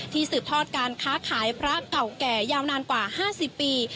สืบทอดการค้าขายพระเก่าแก่ยาวนานกว่า๕๐ปี